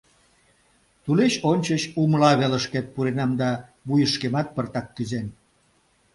Тулеч ончыч «умла велышкет» пуренам да вуйышкемат пыртак кӱзен.